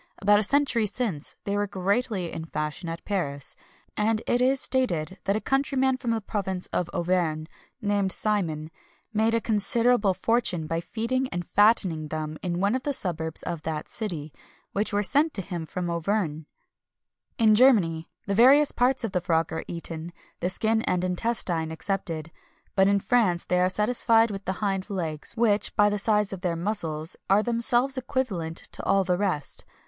About a century since, they were greatly in fashion at Paris; and it is stated that a countryman from the province of Auvergne, named Simon, made a considerable fortune by feeding and fattening them in one of the suburbs of that city, which were sent to him from Auvergne. "In Germany, the various parts of the frog are eaten, the skin and intestine excepted; but in France they are satisfied with the hind legs, which, by the size of their muscles, are themselves equivalent to all the rest.